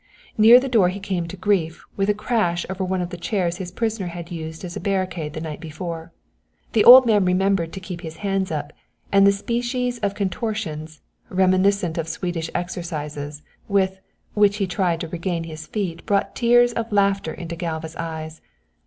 Near the door he came to grief with a crash over one of the chairs his prisoner had used as a barricade the night before. The old man remembered to keep his hands up, and the species of contortions, reminiscent of Swedish exercises, with, which he tried to regain his feet brought tears of laughter into Galva's eyes.